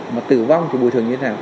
mà tử vong thì bồi thường như thế nào